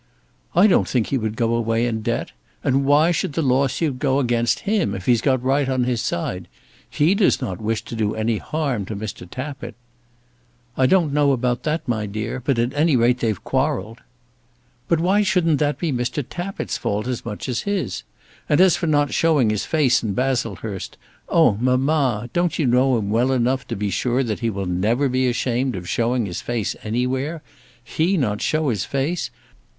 "I don't think he would go away in debt. And why should the lawsuit go against him if he's got right on his side? He does not wish to do any harm to Mr. Tappitt." "I don't know about that, my dear; but at any rate they've quarrelled." "But why shouldn't that be Mr. Tappitt's fault as much as his? And as for not showing his face in Baslehurst ! Oh, mamma! don't you know him well enough to be sure that he will never be ashamed of showing his face anywhere? He not show his face!